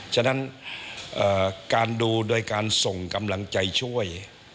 ฉะนั้นการดูโดยการส่งกำลังใจช่วย